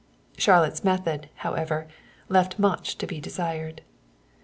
Charlotte's method, however, left much to be desired.